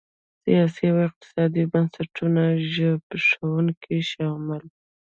سیاسي او اقتصادي بنسټونه زبېښونکي شول.